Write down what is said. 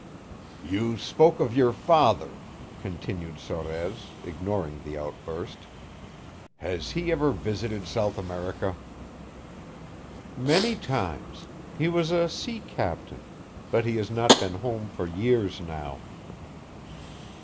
"You spoke of your father," continued Sorez, ignoring the outburst. "Has he ever visited South America?" "Many times. He was a sea captain, but he has not been home for years now."